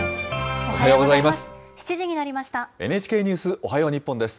おはようございます。